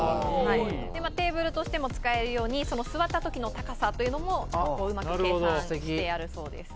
テーブルとしても使えるように、その座ったときの高さというのも、うまく計算してあるそうです。